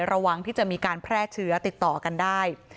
ระวังที่จะมีการแพร่เชื้อติดต่อกันได้